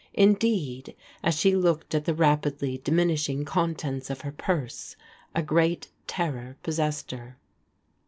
Indeed, as she looked at the rapidly diminishing contents of her purse, a great terror possessed her.